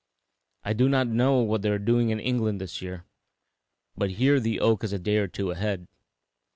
I do not know what they are doing in England this year, but here the oak is a day or two ahead.